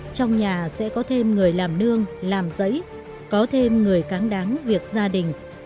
trong nhà sẽ có thêm người làm nương làm giấy có thêm người cáng đáng việc gia đình